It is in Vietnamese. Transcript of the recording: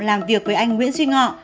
làm việc với anh nguyễn duy ngọ